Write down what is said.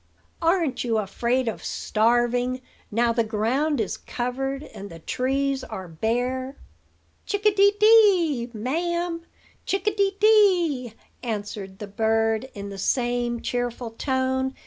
"'Aren't you afraid of starving, now the ground is covered and the trees are bare?' "'Chick a dee dee, ma'am, chick a dee dee!'" answered the bird in the same cheerful tone.